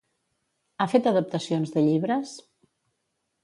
Ha fet adaptacions de llibres?